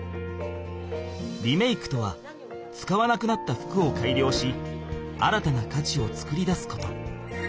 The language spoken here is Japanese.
リメイクとは使わなくなった服をかいりょうし新たなかちを作り出すこと。